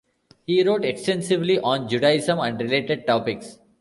He wrote extensively on Judaism and related topics.